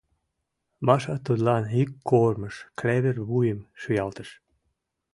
Маша тудлан ик кормыж клевер вуйым шуялтыш: